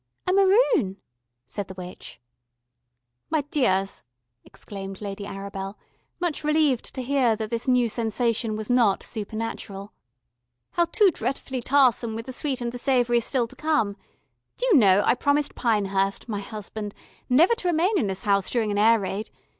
"A maroon," said the witch. "My dears," exclaimed Lady Arabel, much relieved to hear that this new sensation was not supernatural. "How too dretfully tahsome with the sweet and the savoury still to come. Do you know, I promised Pinehurst my husband never to remain in this house during an air raid.